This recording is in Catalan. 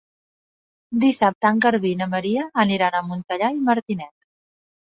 Dissabte en Garbí i na Maria aniran a Montellà i Martinet.